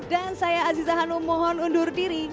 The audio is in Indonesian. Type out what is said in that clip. dan saya aziza hanum mohon undur diri